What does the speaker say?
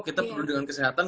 kita perlu dengan kesehatan